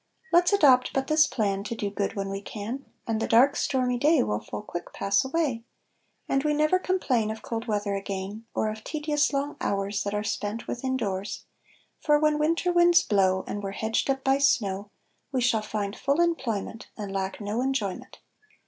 Let's adopt but this plan, To do good when we can, And the dark stormy day Will full quick pass away, And we never complain Of cold weather again, Or of tedious long hours, That are spent within doors; For when winter winds blow, And we're hedged up by snow, We shall find full employment, And lack no enjoyment.